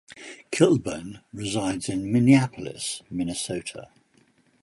Kilburn resides in Minneapolis, Minnesota.